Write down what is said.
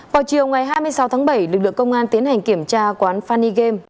vào chiều ngày hai mươi sáu tháng bảy lực lượng công an tiến hành kiểm tra quán fany game